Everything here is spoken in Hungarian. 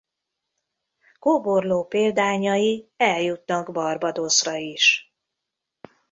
Kóborló példányai eljutnak Barbadosra is.